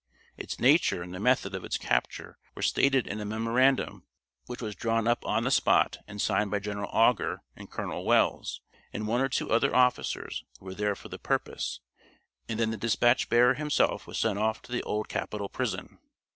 Its nature and the method of its capture were stated in a memorandum which was drawn up on the spot and signed by General Augur and Colonel Wells and one or two other officers who were there for the purpose, and then the dispatch bearer himself was sent off to the Old Capitol Prison.